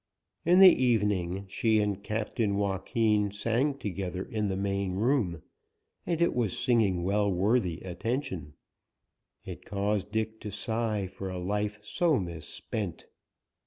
In the evening she and Captain Joaquin sang together in the main room, and it was singing well worthy attention. It caused Dick to sigh for a life so misspent.